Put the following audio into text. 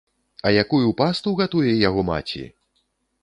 А якую пасту гатуе яго маці!